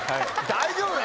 大丈夫ね？